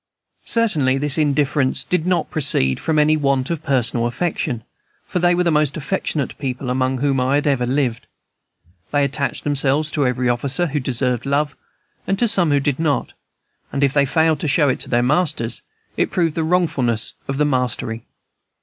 Certainly this indifference did not proceed from any want of personal affection, for they were the most affectionate people among whom I had ever lived. They attached themselves to every officer who deserved love, and to some who did not; and if they failed to show it to their masters, it proved the wrongfulness of the mastery.